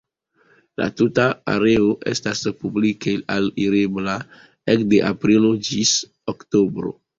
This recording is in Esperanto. La tuta areo estas publike alirebla ekde aprilo ĝis oktobro.